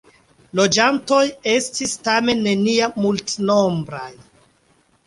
Loĝantoj estis tamen neniam multnombraj.